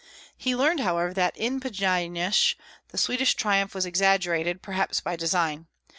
He learned, however, that in Pjasnysh the Swedish triumph was exaggerated, perhaps by design.